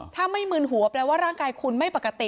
ถ้าไม่มืนหัวแปลว่าร่างกายคุณไม่ปกติ